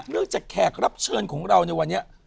เรื่องจากแขกรับเชิญของเราเนี่ยวันนี้